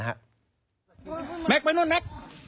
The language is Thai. แม็กซ์ไปนู่นแม็กซ์